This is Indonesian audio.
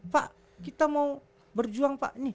pak kita mau berjuang pak